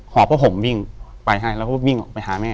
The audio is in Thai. อบผ้าห่มวิ่งไปให้แล้วก็วิ่งออกไปหาแม่